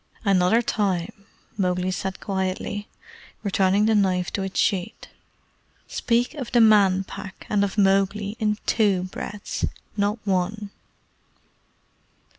"Another time," Mowgli said quietly, returning the knife to its sheath, "speak of the Man Pack and of Mowgli in TWO breaths not one."